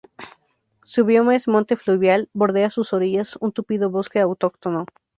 Su bioma es monte fluvial, bordea sus orillas un tupido bosque autóctono.